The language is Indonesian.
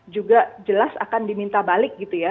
juga jelas akan diminta balik gitu ya